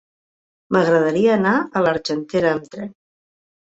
M'agradaria anar a l'Argentera amb tren.